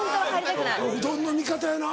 うどんの味方やな。